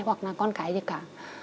hoặc là con cái gì cả